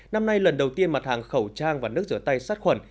năm nay lần đầu tiên mặt hàng khẩu trang và nước rửa tay sát khuẩn